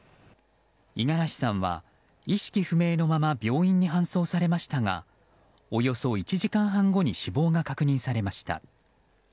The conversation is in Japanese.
五十嵐さんは意識不明のまま病院に搬送されましたがおよそ１時間半後に死亡が確認されました。